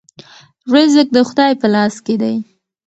رزق د خدای په لاس کې دی.